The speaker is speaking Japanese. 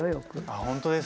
あほんとですか。